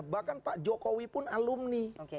bahkan pak jokowi pun alumni